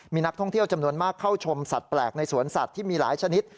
มีนักท่องเที่ยวจำนวนมากเข้าชมสัตว์แปลกในสวนสัตว์ที่มีหลายชนิด